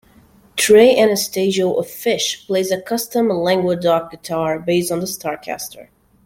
Trey Anastasio of Phish plays a custom Languedoc guitar based on the Starcaster.